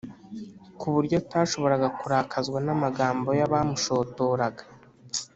ku buryo atashoboraga kurakazwa n’amagambo y’abamushotoraga